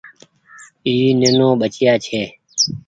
اي نينو ٻچييآ ڇي۔